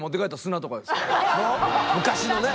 昔のね